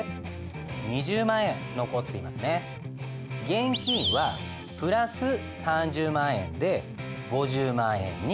現金はプラス３０万円で５０万円になった。